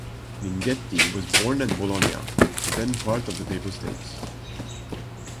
Minghetti was born at Bologna, then part of the Papal States.